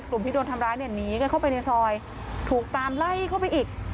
ที่โดนทำร้ายเนี่ยหนีกันเข้าไปในซอยถูกตามไล่เข้าไปอีก